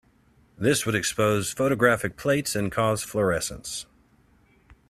This would expose photographic plates and cause fluorescence.